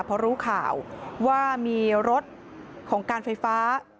พอรู้ข่าวว่ามีรถของการไฟฟ้า